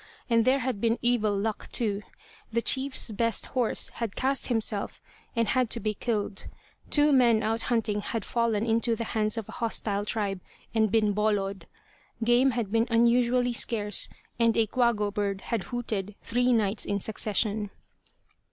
And there had been evil luck, too. The chief's best horse had cast himself and had to be killed. Two men out hunting had fallen into the hands of a hostile tribe and been "boloed." Game had been unusually scarce, and a "quago" bird had hooted three nights in succession.